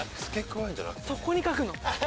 そこに描くの？